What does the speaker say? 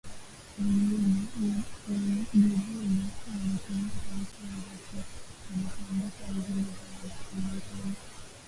mwinjili walitumia taarifa ya Marko walipoandika Injili zao Anasemekana